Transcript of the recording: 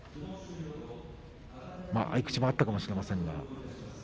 合い口もあったかもしれませんが。